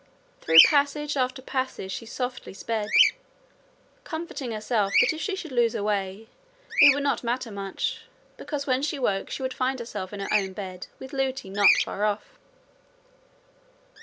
Through passage after passage she softly sped, comforting herself that if she should lose her way it would not matter much, because when she woke she would find herself in her own bed with Lootie not far off.